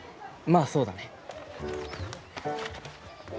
まあそうだね。